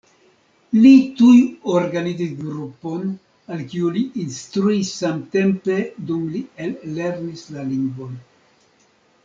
Li tuj organizis grupon al kiu li instruis samtempe dum li ellernis la lingvon.